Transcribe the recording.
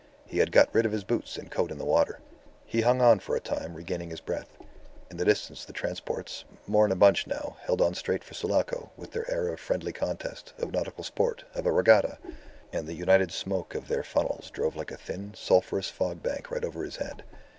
He had got rid of his boots and coat in the water. He hung on for a time, regaining his breath. In the distance the transports, more in a bunch now, held on straight for Sulaco, with their air of friendly contest, of nautical sport, of a regatta; and the united smoke of their funnels drove like a thin, sulphurous fogbank right over his head.